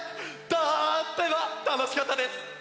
とってもたのしかったです！